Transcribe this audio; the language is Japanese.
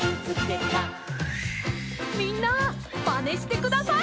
みんなまねしてください。